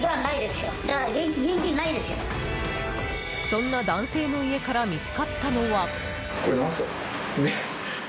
そんな男性の家から見つかったのは。